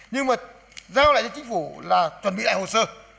nhưng mà giao lại cho chính phủ là chuẩn bị lại hồ sơ